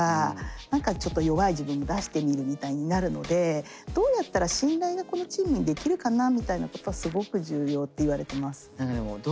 何かちょっと弱い自分も出してみるみたいになるのでどうやったら信頼がこのチームにできるかなみたいなことはすごく重要っていわれてます。